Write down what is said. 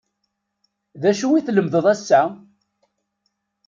D acu i tlemdeḍ ass-a?